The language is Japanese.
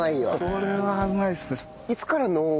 これはうまいですね。